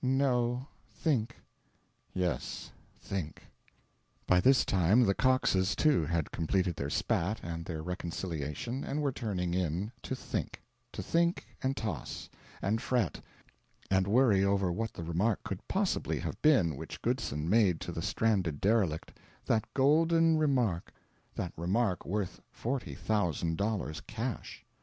"No; think." "Yes; think." By this time the Coxes too had completed their spat and their reconciliation, and were turning in to think, to think, and toss, and fret, and worry over what the remark could possibly have been which Goodson made to the stranded derelict; that golden remark; that remark worth forty thousand dollars, cash.